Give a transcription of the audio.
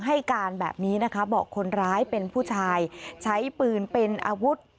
ให้การแบบนี้นะคะบอกคนร้ายเป็นผู้ชายใช้ปืนเป็นอาวุธ